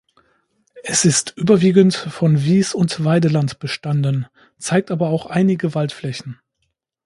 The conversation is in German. Es ist überwiegend von Wies- und Weideland bestanden, zeigt aber auch einige Waldflächen.